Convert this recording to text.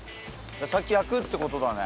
先焼くってことだね。